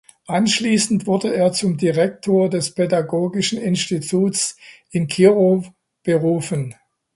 Anschließend wurde er zum Direktor des Pädagogischen Instituts in Kirow berufen.